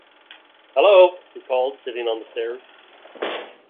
“Hello!” he called, sitting on the stairs.